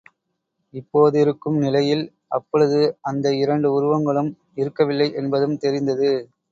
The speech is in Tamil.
இப்போதிருக்கும் நிலையில் அப்பொழுது அந்த இரண்டு உருவங்களும் இருக்கவில்லை என்பதும் தெரிந்தது.